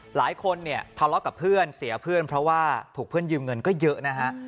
หลายคนเนี่ยทะเลาะกับเพื่อนเสียเพื่อนเพราะว่าถูกเพื่อนยืมเงินก็เยอะนะฮะ